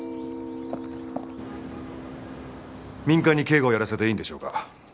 民間に警護をやらせていいんでしょうか。